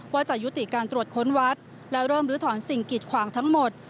ว่าจะยุติการตรวจค้นวัดและเริ่มลื้อถอนสิ่งกิดขวางทั้งหมด